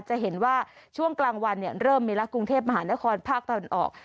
จะเห็นว่าช่วงกลางวันเริ่มมีแล้วกรุงเทพมหานครภาคตะวันออก